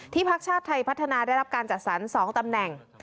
พักชาติไทยพัฒนาได้รับการจัดสรร๒ตำแหน่ง